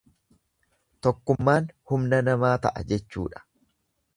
Tokkummaan humna namaa ta'a jechuudha.